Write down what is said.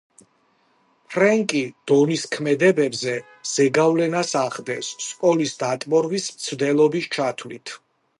ფრენკი დონის ქმედებებზე ზეგავლენას ახდენს, სკოლის დატბორვის მცდელობის ჩათვლით.